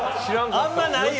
あんまないよ。